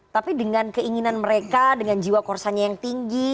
tapi dengan keinginan mereka dengan jiwa korsanya yang tinggi